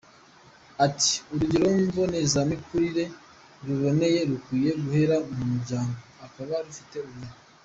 Ati “Urugo mbonezamikurire ruboneye rukwiye guhera mu muryango, ukaba ufite ubumenyi.